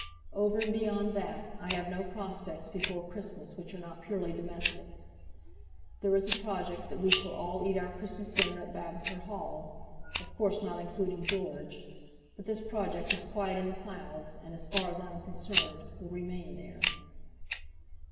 Over and beyond that, I have no prospects before Christmas which are not purely domestic. There is a project that we shall all eat our Christmas dinner at Vavasor Hall, of course not including George, but this project is quite in the clouds, and, as far as I am concerned, will remain there.